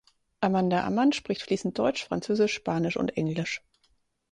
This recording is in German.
Amanda Ammann spricht fliessend Deutsch, Französisch, Spanisch und Englisch.